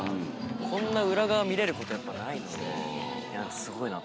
こんな裏側見れることやっぱないのですごいなと。